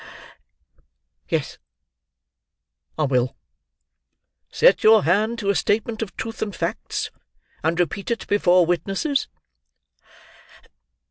"Yes, I will." "Set your hand to a statement of truth and facts, and repeat it before witnesses?"